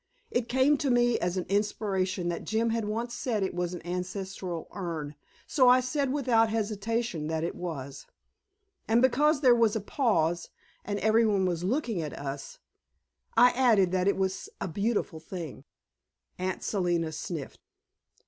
It came to me as an inspiration that Jim had once said it was an ancestral urn, so I said without hesitation that it was. And because there was a pause and every one was looking at us, I added that it was a beautiful thing. Aunt Selina sniffed.